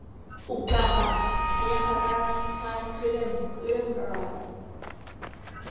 อุกกาบาต พยัคฆราช คลาดเคลื่อน เลื่อนลอย